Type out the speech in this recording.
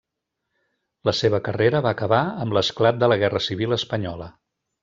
La seva carrera va acabar amb l'esclat de la Guerra Civil espanyola.